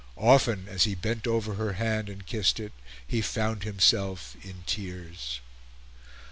Often, as he bent over her hand and kissed it, he found himself in tears.